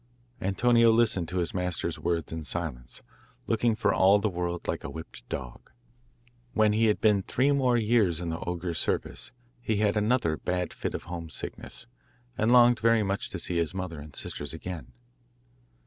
Antonio listened to his master's words in silence, looking for all the world like a whipped dog. When he had been three more years in the ogre's service he had another bad fit of home sickness, and longed very much to see his mother and sisters again.